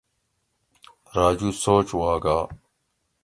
راجو سوچ وا گا